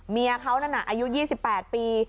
เมียเขานั้นอายุ๒๘ปี